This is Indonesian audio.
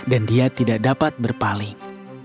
dan dia tidak dapat berpaling